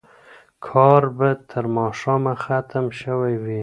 کار به تر ماښامه ختم شوی وي.